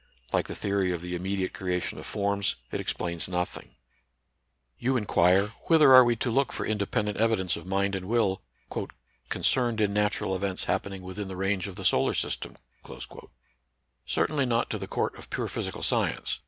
Like the theory of the immediate creation of forms, it explains nothing. 92 NATURAL SCIENCE AND RELIGION. You inquire, whither are we to look for inde pendent evidence of mind and will " concerned in natural events happening within the range of the solar system." Certainly not to the court of pure physical science.